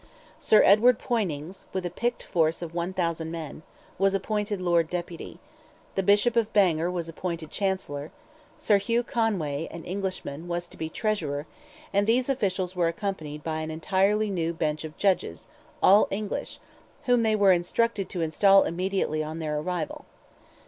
Sir Edward Poynings, with a picked force of 1,000 men, was appointed Lord Deputy; the Bishop of Bangor was appointed Chancellor, Sir Hugh Conway, an Englishman, was to be Treasurer; and these officials were accompanied by an entirely new bench of judges, all English, whom they were instructed to instal immediately on their arrival.